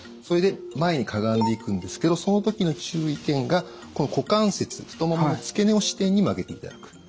それで前にかがんでいくんですけどその時の注意点がこの股関節太ももの付け根を支点に曲げていただく。